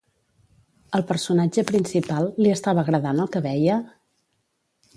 Al personatge principal, li estava agradant el que veia?